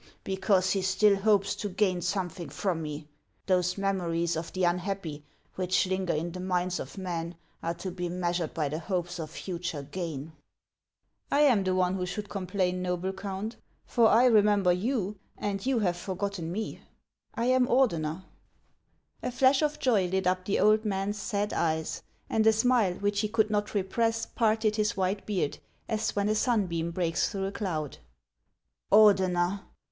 " Because he still hopes to gain something from me : those memories of the unhappy which linger in the minds of men are to be measured by the hopes of future gain." " I am the one who should complain, noble Count ; for HANS OF ICELAND. 49 I remember you, and you have forgotten me, I aui Ordeuer." A flash of joy lit up the old man's sad eyes, and a smile which he could not repress parted his white beard, as when a sunbeam breaks through a cloud. '• Ordener